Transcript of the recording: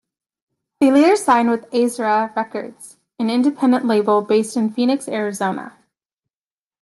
They later signed with Aezra Records, an independent label based in Phoenix, Arizona.